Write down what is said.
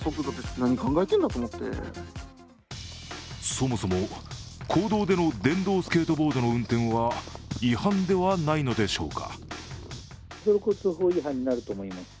そもそも公道での電動スケートボードの運転は違反ではないのでしょうか？